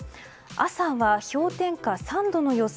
朝は氷点下３度の予想。